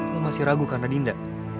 lu masih ragu karena dinda